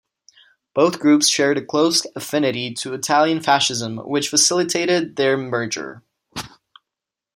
Both groups shared a close affinity to Italian fascism which facilitated their merger.